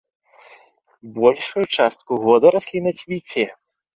Большую частку года расліна цвіце.